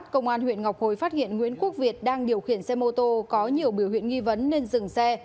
cơ quan huyện ngọc hồi phát hiện nguyễn quốc việt đang điều khiển xe mô tô có nhiều biểu huyện nghi vấn nên dừng xe